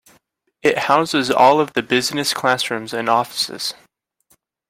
It houses all of the business classrooms and offices.